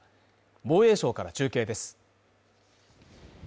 防衛省から中継です。